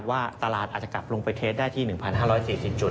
ว่าตลาดอาจจะกลับลงไปเทสได้ที่๑๕๔๐จุด